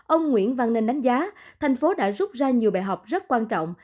ông nguyễn văn nên đánh giá thành phố đã rút ra nhiều bài học rất quan trọng